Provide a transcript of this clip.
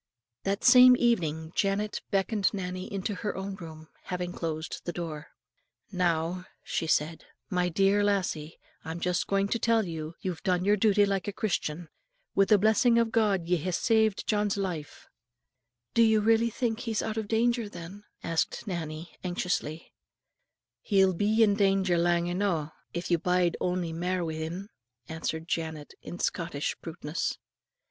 That same evening Janet beckoned Nannie into her own room, and having closed the door, "Now," she said, "my dear lassie, I'm just going to tell you, you've done your duty like a Christian. Wi' the blessing of God ye hae saved John's life." "You think he is really out of danger, then?" asked Nannie, anxiously. "He'll be in danger lang eno', if you bide ony mair wi' him," answered Janet, with Scottish bluntness.